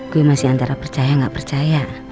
gue masih antara percaya nggak percaya